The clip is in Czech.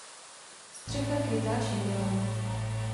Střecha krytá šindelem.